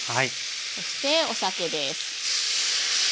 そしてお酒です。